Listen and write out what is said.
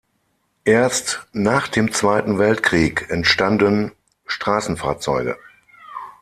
Erst nach dem Zweiten Weltkrieg entstanden Straßenfahrzeuge.